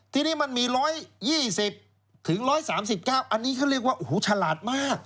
ทีนี้มันมี๑๒๐๑๓๙อันนี้เขาเรียกว่าโอ้โหฉลาดมาก